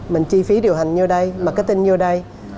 mình chi phí điều hành nhiêu đây